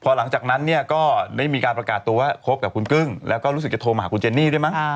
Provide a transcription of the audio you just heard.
หลังจากนั้นเนี่ยก็ได้มีการประกาศตัวว่าคบกับคุณกึ้งแล้วก็รู้สึกจะโทรมาหาคุณเจนนี่ด้วยมั้ง